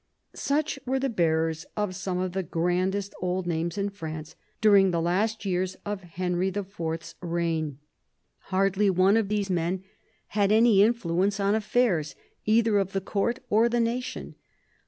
Such were the bearers of some of the grandest old names in France, during the last years of Henry IV.'s reign. Hardly one of these men had any influence on aifairs, either of the court or the nation.